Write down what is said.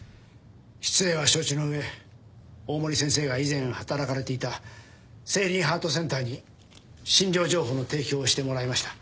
失礼は承知の上大森先生が以前働かれていた聖鈴ハートセンターに診療情報の提供をしてもらいました。